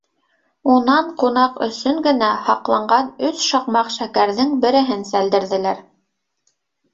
Унан «ҡунаҡ өсөн» генә һаҡланған өс шаҡмаҡ шәкәрҙең береһен сәлдерҙеләр.